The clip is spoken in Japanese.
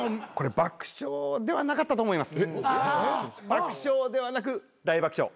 爆笑ではなく大爆笑。